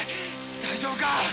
大丈夫か！？